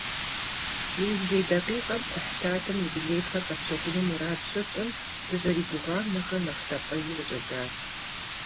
Иужьрей дакъикъэм кхъухьлъатэм и билетхэр къэтщэхуну мурад щытщӏым, дызэригугъам нэхърэ нэхъ лъапӏэжу къыщӀэкӀащ.